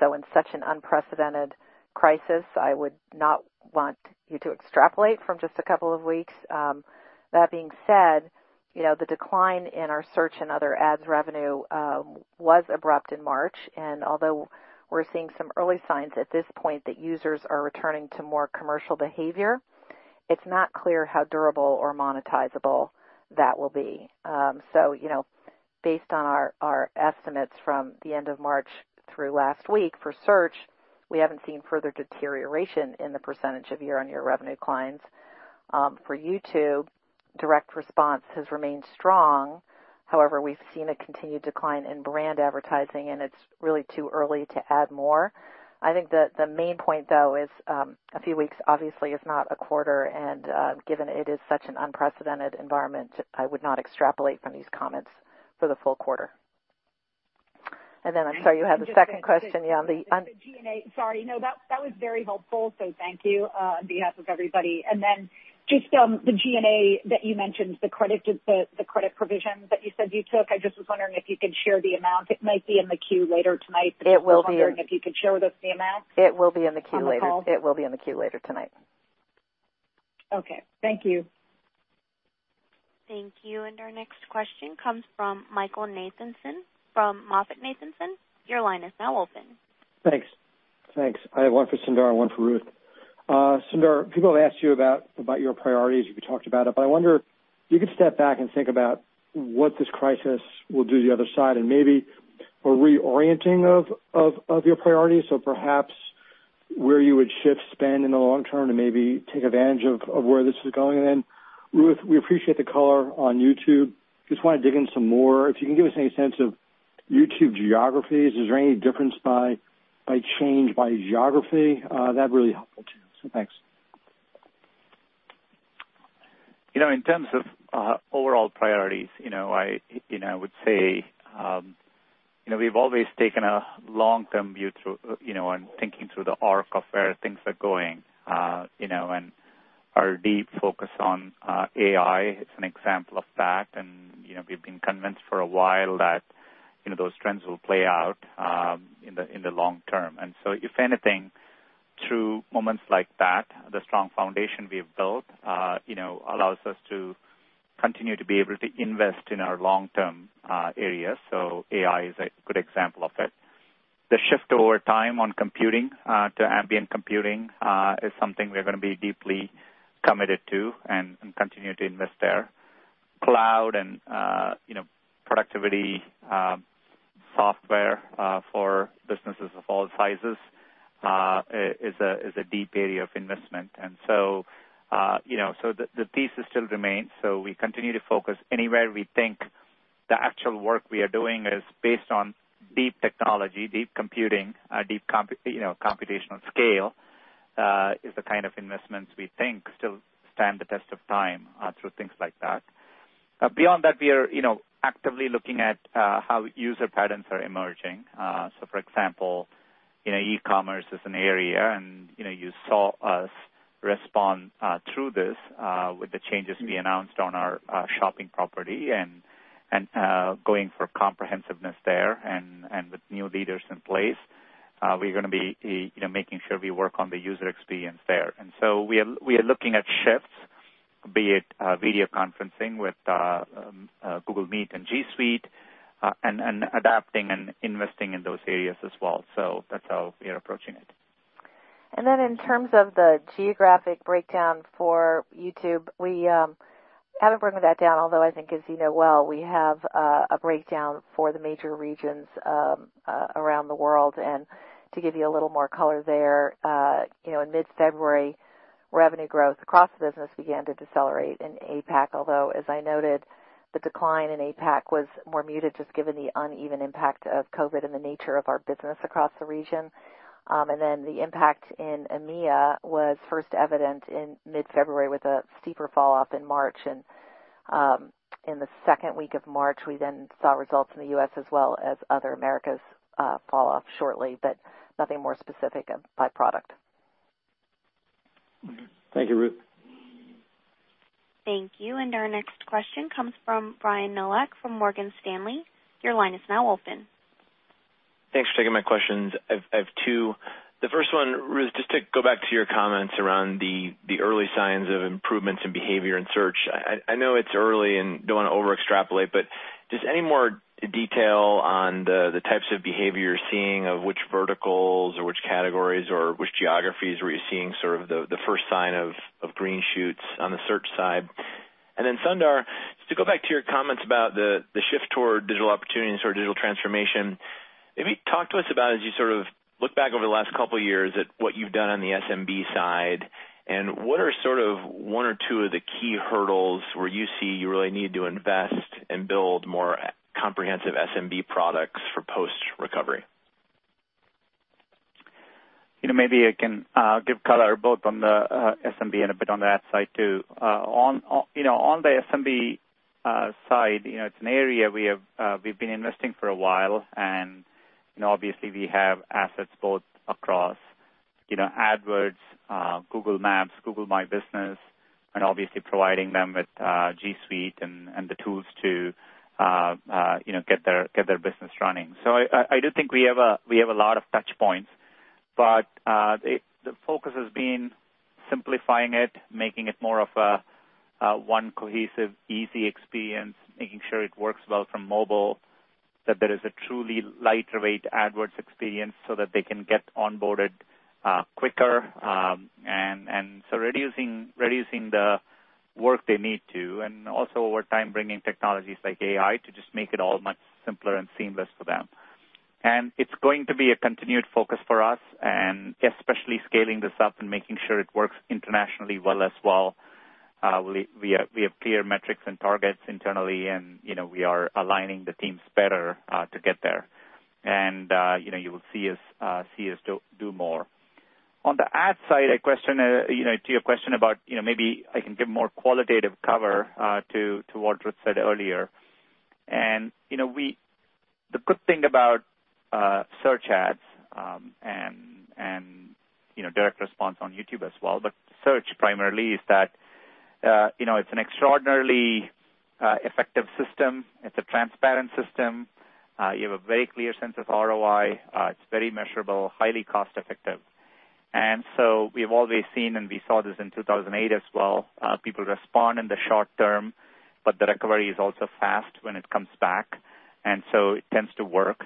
So in such an unprecedented crisis, I would not want you to extrapolate from just a couple of weeks. That being said, the decline in our Search and Other ads revenue was abrupt in March. And although we're seeing some early signs at this point that users are returning to more commercial behavior, it's not clear how durable or monetizable that will be. So based on our estimates from the end of March through last week for Search, we haven't seen further deterioration in the percentage of year-on-year revenue declines. For direct response has remained strong. However, we've seen a continued decline in brand advertising, and it's really too early to add more. I think the main point, though, is a few weeks, obviously, is not a quarter. And given it is such an unprecedented environment, I would not extrapolate from these comments for the full quarter. And then I'm sorry, you had the second question. Yeah, on the. Sorry. No, that was very helpful, so thank you on behalf of everybody, and then just the G&A that you mentioned, the credit provision that you said you took. I just was wondering if you could share the amount? It might be in the queue later tonight. It will be. If you could share with us the amount. It will be in the queue later. It will be in the queue later tonight. Okay. Thank you. Thank you. And our next question comes from Michael Nathanson from MoffettNathanson. Your line is now open. Thanks. Thanks. I have one for Sundar and one for Ruth. Sundar, people have asked you about your priorities. You've talked about it. But I wonder if you could step back and think about what this crisis will do to the other side and maybe a reorienting of your priorities, so perhaps where you would shift spend in the long term to maybe take advantage of where this is going. And then, Ruth, we appreciate the color on YouTube. Just want to dig in some more. If you can give us any sense of YouTube geographies, is there any difference by change, by geography? That'd be really helpful too. So thanks. In terms of overall priorities, I would say we've always taken a long-term view through and thinking through the arc of where things are going and our deep focus on AI is an example of that. We've been convinced for a while that those trends will play out in the long term. If anything, through moments like that, the strong foundation we've built allows us to continue to be able to invest in our long-term areas. AI is a good example of it. The shift over time on computing to ambient computing is something we're going to be deeply committed to and continue to invest there. Cloud and productivity software for businesses of all sizes is a deep area of investment. The thesis still remains. So we continue to focus anywhere we think the actual work we are doing is based on deep technology, deep computing, deep computational scale. This is the kind of investments we think still stand the test of time through things like that. Beyond that, we are actively looking at how user patterns are emerging. So for example, e-commerce is an area, and you saw us respond through this with the changes we announced on our Shopping property and going for comprehensiveness there. And with new leaders in place, we're going to be making sure we work on the user experience there. And so we are looking at shifts, be it video conferencing with Google Meet and G Suite, and adapting and investing in those areas as well. So that's how we are approaching it. And then in terms of the geographic breakdown for YouTube, we haven't broken that down, although I think, as you know well, we have a breakdown for the major regions around the world. And to give you a little more color there, in mid-February, revenue growth across the business began to decelerate in APAC, although, as I noted, the decline in APAC was more muted just given the uneven impact of COVID-19 and the nature of our business across the region. And then the impact in EMEA was first evident in mid-February with a steeper falloff in March. And in the second week of March, we then saw results in the U.S. as well as other Americas fall off shortly, but nothing more specific by product. Thank you, Ruth. Thank you. And our next question comes from Brian Nowak from Morgan Stanley. Your line is now open. Thanks for taking my questions. I have two. The first one, Ruth, just to go back to your comments around the early signs of improvements in behavior in Search. I know it's early and don't want to overextrapolate, but just any more detail on the types of behavior you're seeing of which verticals or which categories or which geographies were you seeing sort of the first sign of green shoots on the Search side? And then Sundar, just to go back to your comments about the shift toward digital opportunities or digital transformation, maybe talk to us about as you sort of look back over the last couple of years at what you've done on the SMB side, and what are sort of one or two of the key hurdles where you see you really need to invest and build more comprehensive SMB products for post-recovery? Maybe I can give color both on the SMB and a bit on the ad side too. On the SMB side, it's an area we've been investing for a while. And obviously, we have assets both across AdWords, Google Maps, Google My Business, and obviously providing them with G Suite and the tools to get their business running. So I do think we have a lot of touch points, but the focus has been simplifying it, making it more of a one cohesive, easy experience, making sure it works well from mobile, that there is a truly lightweight AdWords experience so that they can get onboarded quicker, and so reducing the work they need to, and also over time bringing technologies like AI to just make it all much simpler and seamless for them. It's going to be a continued focus for us, and especially scaling this up and making sure it works internationally well as well. We have clear metrics and targets internally, and we are aligning the teams better to get there. And you will see us do more. On the Ad side, to your question, maybe I can give more qualitative cover to what Ruth said earlier. The good thing about Search ads direct response on YouTube as well, but Search primarily, is that it's an extraordinarily effective system. It's a transparent system. You have a very clear sense of ROI. It's very measurable, highly cost-effective. We've always seen, and we saw this in 2008 as well, people respond in the short term, but the recovery is also fast when it comes back. It tends to work.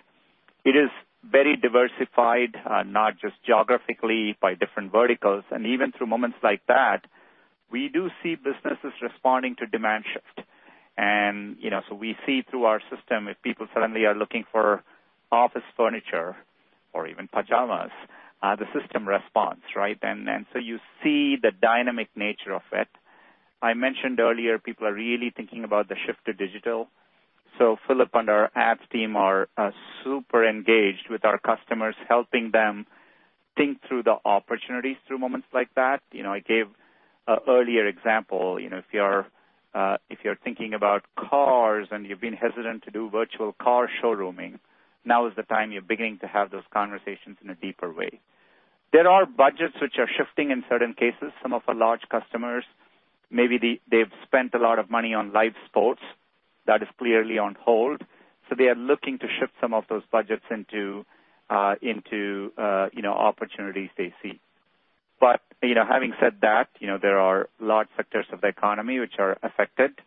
It is very diversified, not just geographically by different verticals. Even through moments like that, we do see businesses responding to demand shift. So we see through our system, if people suddenly are looking for office furniture or even pajamas, the system responds, right? So you see the dynamic nature of it. I mentioned earlier people are really thinking about the shift to digital. Philipp and our Ads team are super engaged with our customers, helping them think through the opportunities through moments like that. I gave an earlier example. If you're thinking about cars and you've been hesitant to do virtual car showrooming, now is the time you're beginning to have those conversations in a deeper way. There are budgets which are shifting in certain cases. Some of our large customers, maybe they've spent a lot of money on live sports that is clearly on hold, so they are looking to shift some of those budgets into opportunities they see. But having said that, there are large sectors of the economy which are affected,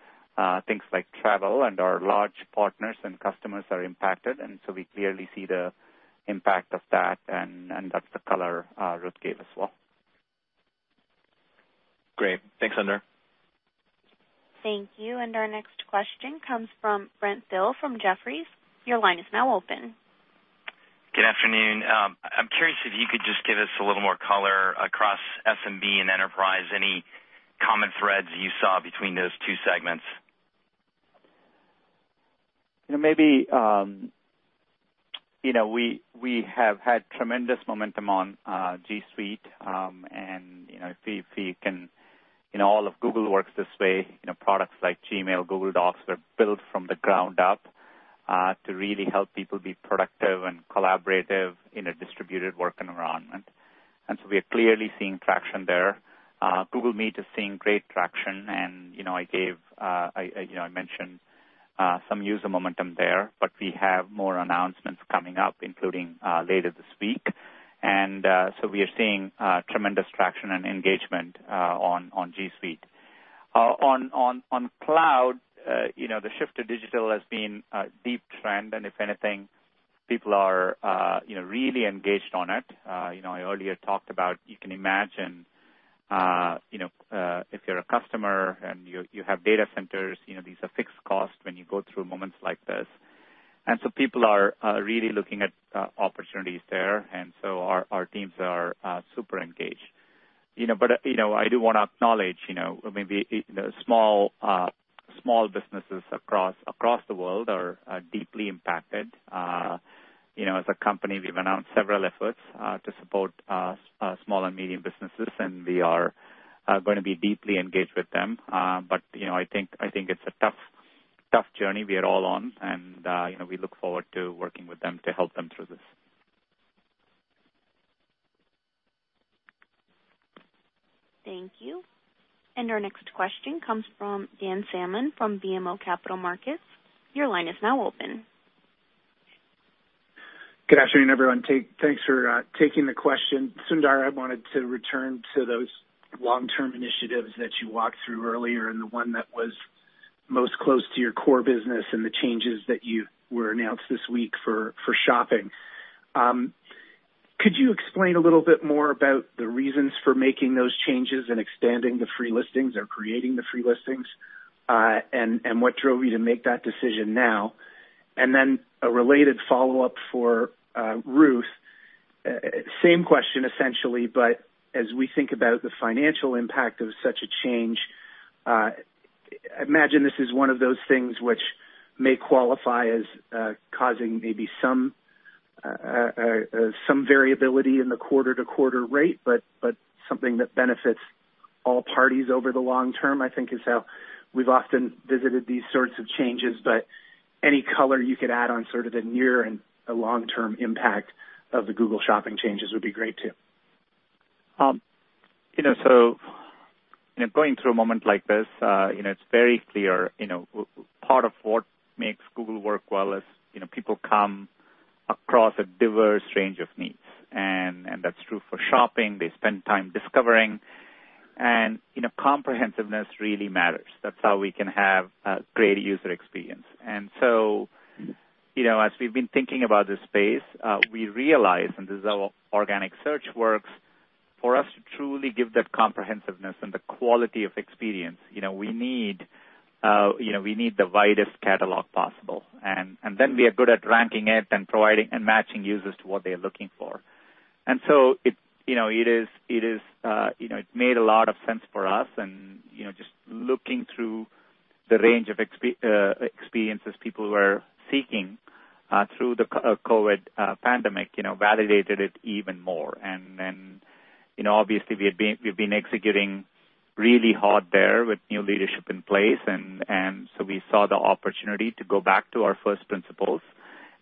things like travel, and our large partners and customers are impacted, and so we clearly see the impact of that, and that's the color Ruth gave as well. Great. Thanks, Sundar. Thank you. And our next question comes from Brent Thill from Jefferies. Your line is now open. Good afternoon. I'm curious if you could just give us a little more color across SMB and enterprise, any common threads you saw between those two segments? Maybe we have had tremendous momentum on G Suite. If you can, all of Google works this way. Products like Gmail, Google Docs were built from the ground up to really help people be productive and collaborative in a distributed work environment. We are clearly seeing traction there. Google Meet is seeing great traction, and I mentioned some user momentum there, but we have more announcements coming up, including later this week. We are seeing tremendous traction and engagement on G Suite. On Cloud, the shift to digital has been a deep trend. If anything, people are really engaged on it. I earlier talked about you can imagine if you're a customer and you have data centers, these are fixed costs when you go through moments like this. People are really looking at opportunities there. And so our teams are super engaged. But I do want to acknowledge maybe small businesses across the world are deeply impacted. As a company, we've announced several efforts to support small and medium businesses, and we are going to be deeply engaged with them. But I think it's a tough journey we are all on, and we look forward to working with them to help them through this. Thank you. And our next question comes from Dan Salmon from BMO Capital Markets. Your line is now open. Good afternoon, everyone. Thanks for taking the question. Sundar, I wanted to return to those long-term initiatives that you walked through earlier and the one that was most close to your core business and the changes that you announced this week for Shopping. Could you explain a little bit more about the reasons for making those changes and expanding the free listings or creating the free listings, and what drove you to make that decision now? And then a related follow-up for Ruth, same question essentially, but as we think about the financial impact of such a change, I imagine this is one of those things which may qualify as causing maybe some variability in the quarter-to-quarter rate, but something that benefits all parties over the long term, I think, is how we've often visited these sorts of changes. But any color you could add on sort of the near and long-term impact of the Google Shopping changes would be great too. So going through a moment like this, it's very clear part of what makes Google work well is people come across a diverse range of needs. And that's true for Shopping. They spend time discovering. And comprehensiveness really matters. That's how we can have a great user experience. And so as we've been thinking about this space, we realize, and this is how organic Search works, for us to truly give that comprehensiveness and the quality of experience, we need the widest catalog possible. And then we are good at ranking it and providing and matching users to what they are looking for. And so it made a lot of sense for us. And just looking through the range of experiences people were seeking through the COVID pandemic validated it even more. And obviously, we've been executing really hard there with new leadership in place. And so we saw the opportunity to go back to our first principles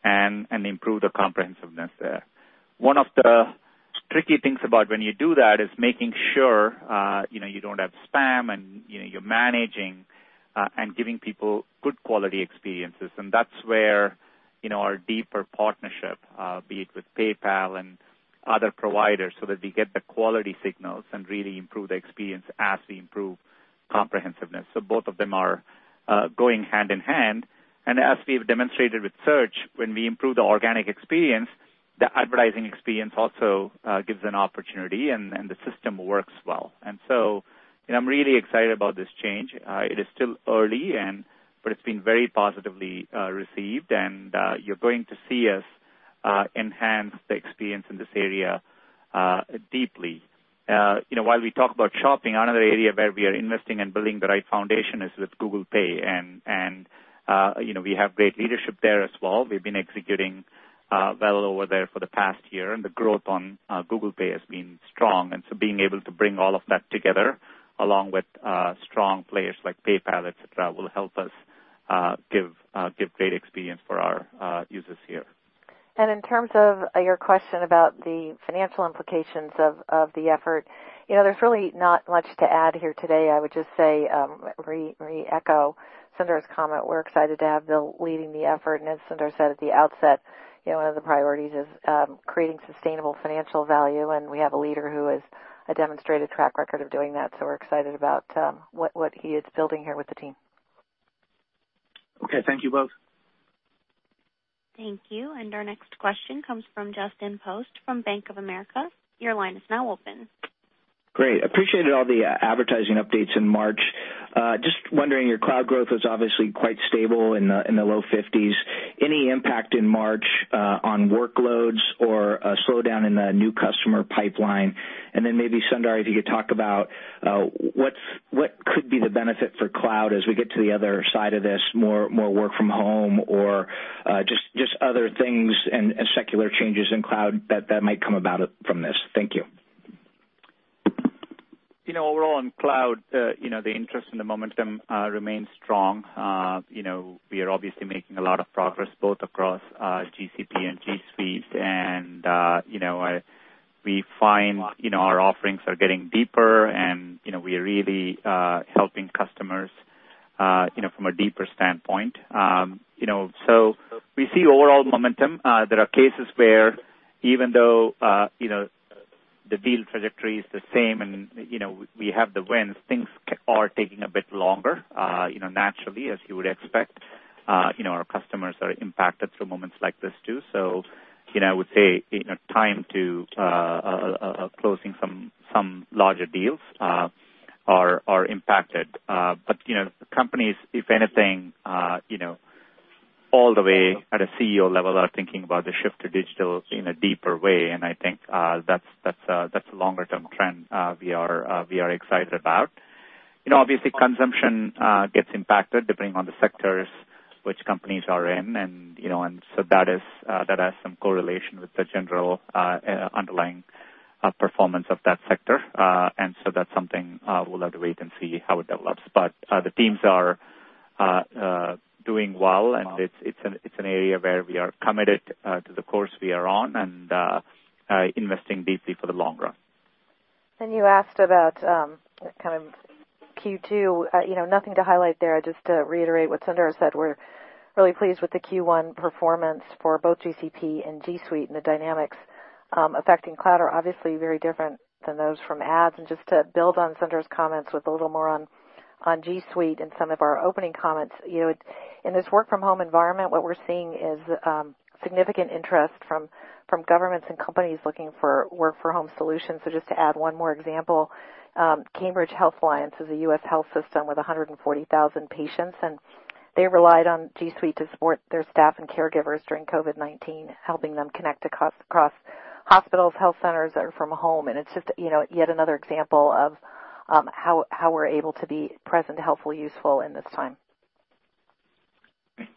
and improve the comprehensiveness there. One of the tricky things about when you do that is making sure you don't have spam and you're managing and giving people good quality experiences. And that's where our deeper partnership, be it with PayPal and other providers, so that we get the quality signals and really improve the experience as we improve comprehensiveness. So both of them are going hand in hand. And as we've demonstrated with Search, when we improve the organic experience, the advertising experience also gives an opportunity, and the system works well. And so I'm really excited about this change. It is still early, but it's been very positively received. And you're going to see us enhance the experience in this area deeply. While we talk about Shopping, another area where we are investing and building the right foundation is with Google Pay, and we have great leadership there as well. We've been executing well over there for the past year, and the growth on Google Pay has been strong, and so being able to bring all of that together along with strong players like PayPal, etc., will help us give great experience for our users here. In terms of your question about the financial implications of the effort, there's really not much to add here today. I would just say re-echo Sundar's comment. We're excited to have Bill leading the effort. As Sundar said at the outset, one of the priorities is creating sustainable financial value. We have a leader who has a demonstrated track record of doing that. We're excited about what he is building here with the team. Okay. Thank you both. Thank you. And our next question comes from Justin Post from Bank of America. Your line is now open. Great. Appreciated all the advertising updates in March. Just wondering, your Cloud growth was obviously quite stable in the low-50s. Any impact in March on workloads or a slowdown in the new customer pipeline? And then maybe, Sundar, if you could talk about what could be the benefit for Cloud as we get to the other side of this, more work from home or just other things and secular changes in Cloud that might come about from this? Thank you. Overall, on Cloud, the interest and the momentum remain strong. We are obviously making a lot of progress both across GCP and G Suite. And we find our offerings are getting deeper, and we are really helping customers from a deeper standpoint. So we see overall momentum. There are cases where even though the deal trajectory is the same and we have the wins, things are taking a bit longer naturally, as you would expect. Our customers are impacted through moments like this too. So I would say time to closing some larger deals are impacted. But companies, if anything, all the way at a CEO level are thinking about the shift to digital in a deeper way. And I think that's a longer-term trend we are excited about. Obviously, consumption gets impacted depending on the sectors which companies are in. And so that has some correlation with the general underlying performance of that sector. And so that's something we'll have to wait and see how it develops. But the teams are doing well. And it's an area where we are committed to the course we are on and investing deeply for the long run. And you asked about kind of Q2. Nothing to highlight there. Just to reiterate what Sundar said, we're really pleased with the Q1 performance for both GCP and G Suite. And the dynamics affecting Cloud are obviously very different than those from Ads. And just to build on Sundar's comments with a little more on G Suite and some of our opening comments, in this work-from-home environment, what we're seeing is significant interest from governments and companies looking for work-from-home solutions. So just to add one more example, Cambridge Health Alliance is a U.S. health system with 140,000 patients. And they relied on G Suite to support their staff and caregivers during COVID-19, helping them connect across hospitals, health centers, or from home. And it's just yet another example of how we're able to be present, helpful, useful in this time.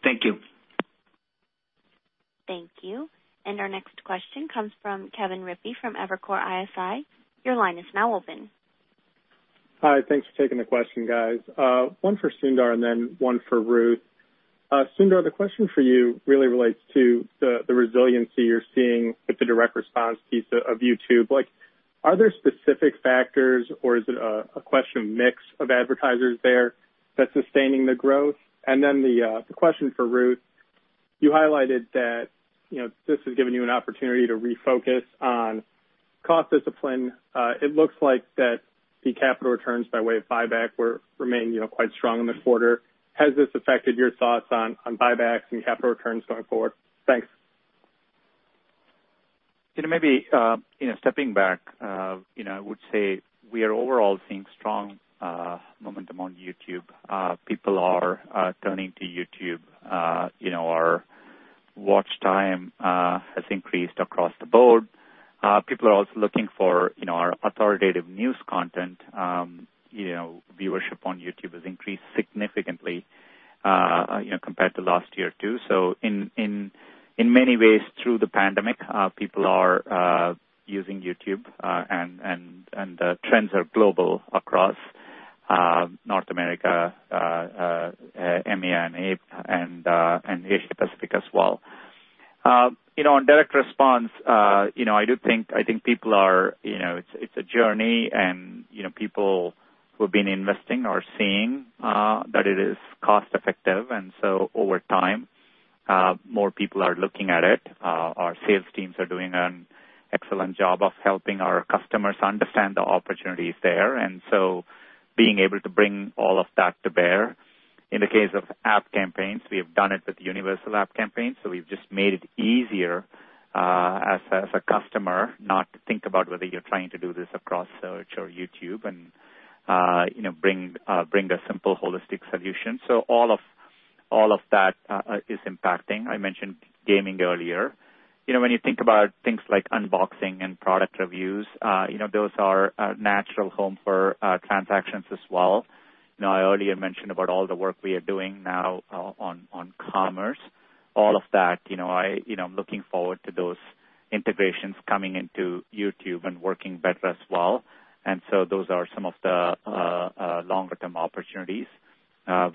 Thank you. Thank you. And our next question comes from Kevin Rippey from Evercore ISI. Your line is now open. Hi. Thanks for taking the question, guys. One for Sundar and then one for Ruth. Sundar, the question for you really relates to the resiliency you're seeing with the direct response piece of YouTube. Are there specific factors, or is it a question of mix of advertisers there that's sustaining the growth? And then the question for Ruth, you highlighted that this has given you an opportunity to refocus on cost discipline. It looks like that the capital returns by way of buyback remain quite strong in the quarter. Has this affected your thoughts on buybacks and capital returns going forward? Thanks. Maybe stepping back, I would say we are overall seeing strong momentum on YouTube. People are turning to YouTube. Our watch time has increased across the board. People are also looking for our authoritative news content. Viewership on YouTube has increased significantly compared to last year, too, so in many ways, through the pandemic, people are using YouTube, and the trends are global across North America, EMEA, and Asia-Pacific as well. On direct response, I do think people are, it's a journey, and people who have been investing are seeing that it is cost-effective, and so over time, more people are looking at it. Our sales teams are doing an excellent job of helping our customers understand the opportunities there, and so being able to bring all of that to bear. In the case of app campaigns, we have done it with Universal App Campaigns. So we've just made it easier as a customer not to think about whether you're trying to do this across Search or YouTube and bring a simple holistic solution. So all of that is impacting. I mentioned gaming earlier. When you think about things like unboxing and product reviews, those are a natural home for transactions as well. I earlier mentioned about all the work we are doing now on commerce. All of that, I'm looking forward to those integrations coming into YouTube and working better as well. And so those are some of the longer-term opportunities.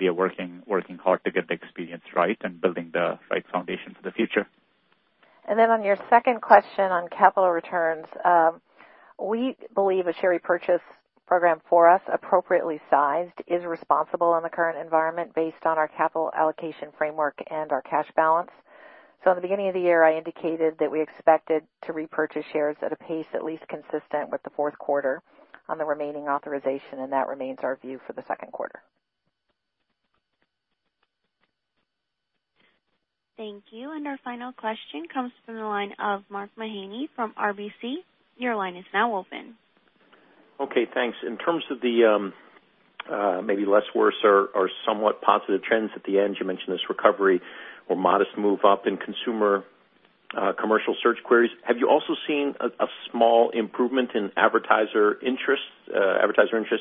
We are working hard to get the experience right and building the right foundation for the future. And then on your second question on capital returns, we believe a share repurchase program for us, appropriately sized, is responsible in the current environment based on our capital allocation framework and our cash balance. So in the beginning of the year, I indicated that we expected to repurchase shares at a pace at least consistent with the fourth quarter on the remaining authorization. And that remains our view for the second quarter. Thank you, and our final question comes from the line of Mark Mahaney from RBC. Your line is now open. Okay. Thanks. In terms of the maybe less worse or somewhat positive trends at the end, you mentioned this recovery or modest move up in consumer commercial search queries. Have you also seen a small improvement in advertiser interest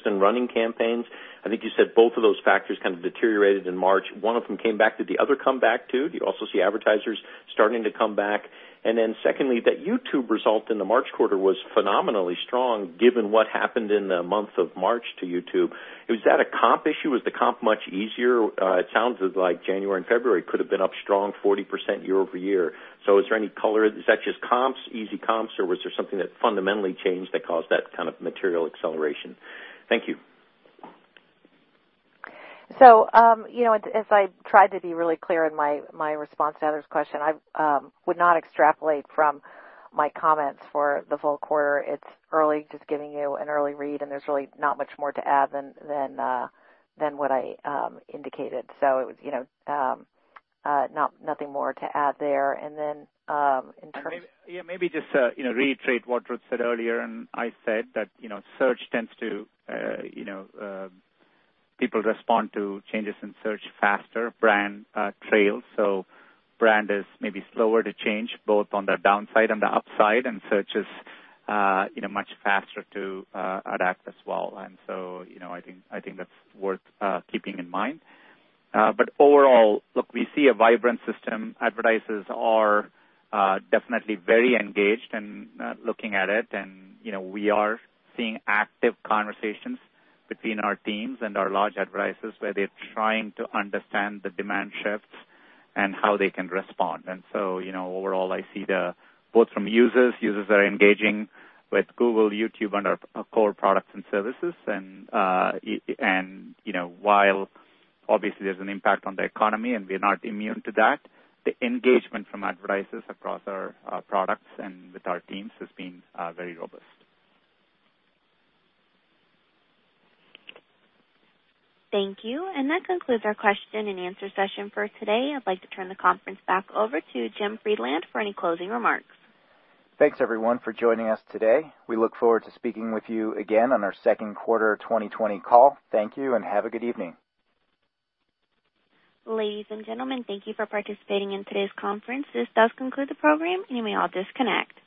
in running campaigns? I think you said both of those factors kind of deteriorated in March. One of them came back to the other come back too. Do you also see advertisers starting to come back? And then secondly, that YouTube result in the March quarter was phenomenally strong given what happened in the month of March to YouTube. Is that a comp issue? Was the comp much easier? It sounds like January and February could have been up strong 40% year-over-year. So is there any color? Is that just comps, easy comps, or was there something that fundamentally changed that caused that kind of material acceleration? Thank you. As I tried to be really clear in my response to Heather's question, I would not extrapolate from my comments for the full quarter. It's early, just giving you an early read. There's really not much more to add than what I indicated. It was nothing more to add there. In terms of. Maybe just to reiterate what Ruth said earlier and I said that Search tends to, people respond to changes in Search faster. Brand trails so brand is maybe slower to change both on the downside and the upside and Search is much faster to adapt as well and so I think that's worth keeping in mind but overall, look, we see a vibrant system. Advertisers are definitely very engaged in looking at it and we are seeing active conversations between our teams and our large advertisers where they're trying to understand the demand shifts and how they can respond and so overall, I see both from users, users are engaging with Google, YouTube, and our core products and services and while obviously there's an impact on the economy and we're not immune to that, the engagement from advertisers across our products and with our teams has been very robust. Thank you. And that concludes our question and answer session for today. I'd like to turn the conference back over to Jim Friedland for any closing remarks. Thanks, everyone, for joining us today. We look forward to speaking with you again on our second quarter 2020 call. Thank you and have a good evening. Ladies and gentlemen, thank you for participating in today's conference. This does conclude the program. You may all disconnect.